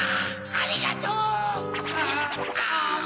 ありがとう！